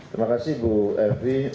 terima kasih bu fb